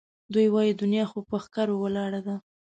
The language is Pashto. دوی وایي دنیا خو پهٔ ښکرو ولاړه ده